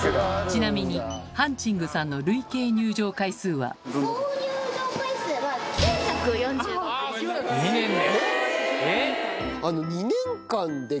ちなみにハンチングさんの累計入場回数は２年で？